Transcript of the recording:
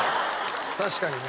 確かにね。